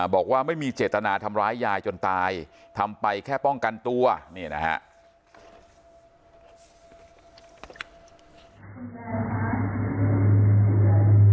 บอกว่าไม่มีเจตนาทำร้ายยายจนตายทำไปแค่ป้องกันตัวนี่นะครับ